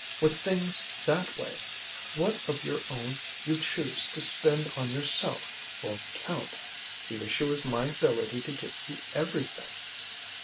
With things that way what of your own you choose to spend on yourself won't count. The issue is my ability to give you everything."